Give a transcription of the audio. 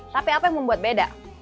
tapi apa yang membuat beda